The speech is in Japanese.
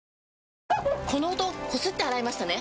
この音こすって洗いましたね？